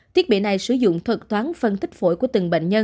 thiết bị này sử dụng thuật toán phân tích phổi của từng bệnh nhân